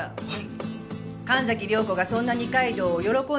はい。